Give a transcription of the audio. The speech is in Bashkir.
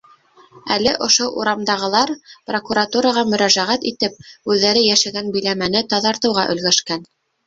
Әле ошо урамдағылар, прокуратураға мөрәжәғәт итеп, үҙҙәре йәшәгән биләмәне таҙартыуға өлгәшкән.